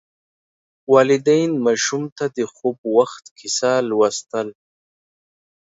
والدین ماشوم ته د خوب وخت کیسه لوستل.